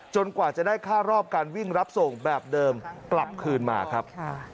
กว่าจะได้ค่ารอบการวิ่งรับส่งแบบเดิมกลับคืนมาครับ